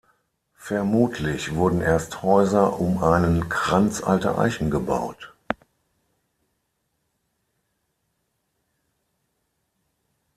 Vermutlich wurden erst Häuser um einen Kranz alter Eichen gebaut.